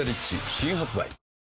新発売